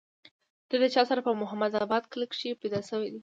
دے د چارسرې پۀ محمود اباد کلي کښې پېدا شوے دے